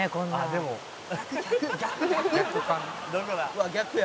「うわ逆や」